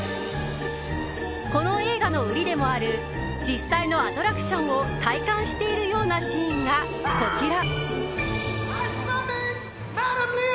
この映画の売りでもある実際のアトラクションを体感しているようなシーンがこちら。